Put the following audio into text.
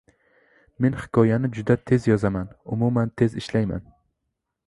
– Men hikoyani juda tez yozaman, umuman tez ishlayman.